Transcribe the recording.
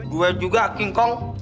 gue juga king kong